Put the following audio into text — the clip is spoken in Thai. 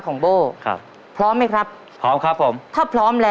ครับผม